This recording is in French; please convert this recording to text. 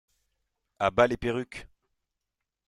A bas les perruques!